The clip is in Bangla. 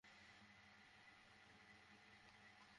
তোমার মতাদর্শ কিংবা রাজনীতির পরোয়া করি না আমি!